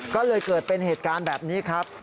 ก็เลยเกิดเป็นเหตุการณ์แบบนี้ครับ